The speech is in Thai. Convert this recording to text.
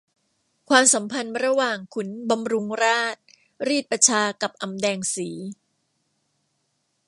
ความสัมพันธ์ระหว่างขุนบำรุงราชรีดประชากับอำแดงสี